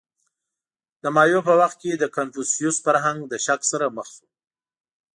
• د مایو په وخت کې د کنفوسیوس فرهنګ له شک سره مخ شو.